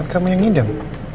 kamu yang ngidam